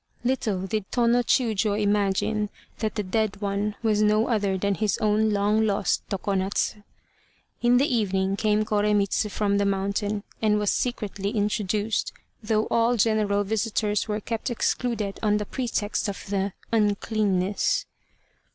Little did Tô no Chiûjiô imagine that the dead one was no other than his own long lost Tokonatz (Pinks). In the evening came Koremitz from the mountain, and was secretly introduced, though all general visitors were kept excluded on the pretext of the "uncleanness."